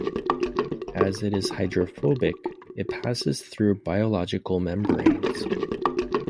As it is hydrophobic, it passes through biological membranes.